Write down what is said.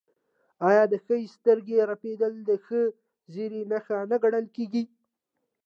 آیا د ښي سترګې رپیدل د ښه زیری نښه نه ګڼل کیږي؟